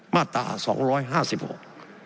มาตราสองร้อยห้าสิบหก